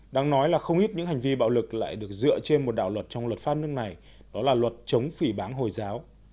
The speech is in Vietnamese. đáng nói là không ít những hành vi bạo lực lại được dựa trên một đạo luật trong luật pháp nước này đó là luật chống phỉ báng hồi giáo